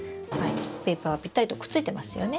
ペーパーはぴったりとくっついてますよね？